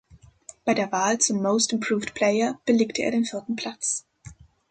Bei der Wahl zum Most Improved Player belegte er den vierten Platz.